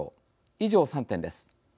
以上、３点です。